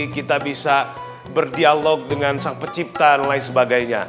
kita bisa berdialog dengan sang pencipta dan lain sebagainya